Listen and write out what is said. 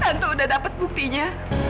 tante udah dapet buktinya